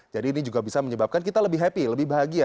jadi ini juga bisa menyebabkan kita lebih bahagia